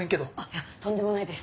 いやとんでもないです。